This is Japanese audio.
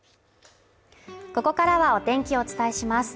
ここからはお天気をお伝えします。